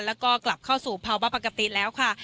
แล้วก็กลับเข้าสู่ภาวะปกติแล้วค่ะ